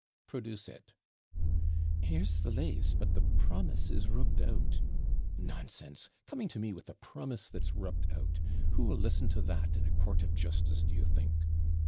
'Produce it.' 'Here's the LASE, but the promise is rubbed out.' 'Nonsense! coming to me with a promise that's rubbed out. Who'll listen to that in a court of justice, do you think?'